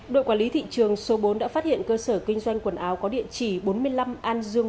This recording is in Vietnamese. đội quản lý thị trường số bốn đã phát hiện cơ sở kinh doanh quần áo có địa chỉ bốn mươi năm an dương